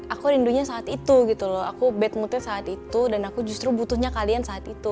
aku rindunya saat itu gitu loh aku bad moodnya saat itu dan aku justru butuhnya kalian saat itu